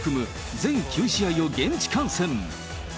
全９試合を現地観戦。